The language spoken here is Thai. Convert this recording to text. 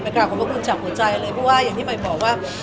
ไม่กล่าวของเรานิยมจากหัวใจเลยเพราะอย่างที่หมายบอกว่า